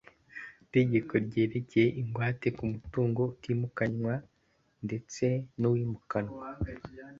itegeko ryerekeye ingwate ku mutungo utimukanywa ndetse n’ uwimukanwa